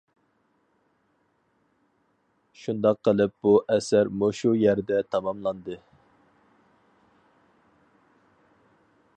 شۇنداق قىلىپ بۇ ئەسەر مۇشۇ يەردە تاماملاندى.